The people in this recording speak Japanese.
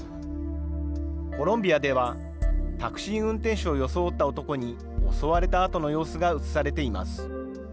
コロンビアでは、タクシー運転手を装った男に襲われたあとの様子が映されています。